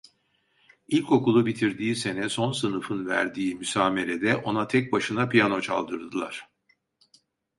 İlkokulu bitirdiği sene son sınıfın verdiği müsamerede ona tek başına piyano çaldırdılar.